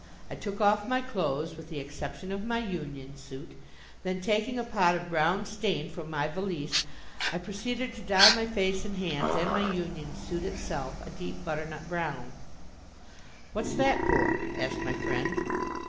I took off my clothes, with the exception of my union suit. Then, taking a pot of brown stain from my valise, I proceeded to dye my face and hands and my union suit itself a deep butternut brown. "What's that for?" asked my friend.